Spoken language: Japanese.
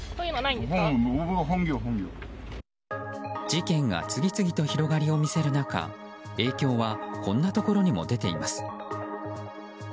事件が次々と広がりを見せる中影響はこんなところにも出ています。